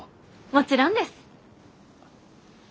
もちろんです。